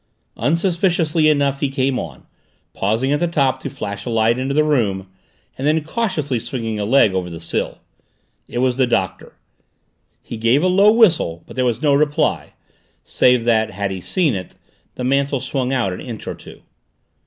Unsuspiciously enough he came on, pausing at the top to flash a light into the room, and then cautiously swinging a leg over the sill. It was the Doctor. He gave a low whistle but there was no reply, save that, had he seen it, the mantel swung out an inch or two.